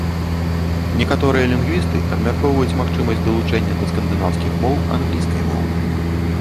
Некаторыя лінгвісты абмяркоўваюць магчымасць далучэння да скандынаўскіх моў англійскай мовы.